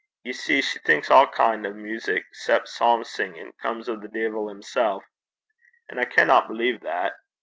Ye see, she thinks a' kin' o' music 'cep' psalm singin' comes o' the deevil himsel'. An' I canna believe that.